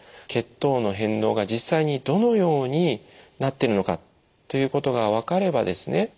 血糖の変動が実際にどのようになってるのかということが分かればですね